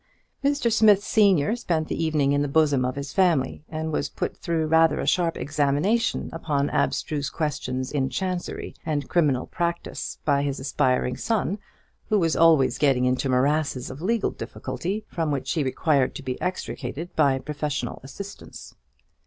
Mr. Smith senior spent the evening in the bosom of his family, and was put through rather a sharp examination upon abstruse questions in chancery and criminal practice by his aspiring son, who was always getting into morasses of legal difficulty, from which he required to be extricated by professional assistance.